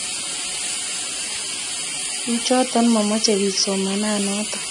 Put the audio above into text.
kuchoto machame biik somananato